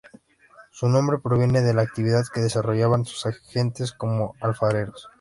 Su nombre proviene de la actividad que desarrollaban sus gentes como alfareros.